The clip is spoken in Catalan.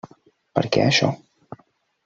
Per què, això?